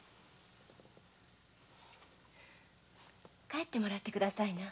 帰ってもらって下さいな。